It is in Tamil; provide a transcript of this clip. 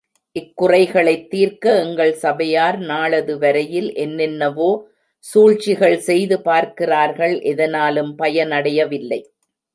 இக்குறைகளைத் தீர்க்க எங்கள் சபையார் நாளது வரையில் என்னென்னவோ சூழ்ச்சிகள் செய்து பார்க்கிறார்கள் எதனாலும் பயனடையவில்லை.